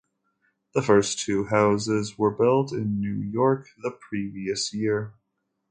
The first two houses were built in New York the previous year.